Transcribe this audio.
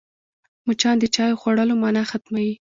مچان د چايو خوړلو مانا ختموي